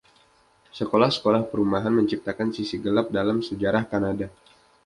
Sekolah-sekolah perumahan menciptakan sisi gelap dalam sejarah Kanada.